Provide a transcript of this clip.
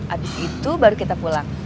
abis itu baru kita pulang